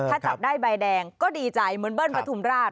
ถ้าจับได้ใบแดงก็ดีใจเหมือนเบิ้ลปฐุมราช